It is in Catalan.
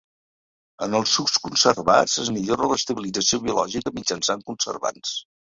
En els sucs conservats es millora l'estabilització biològica mitjançant conservants.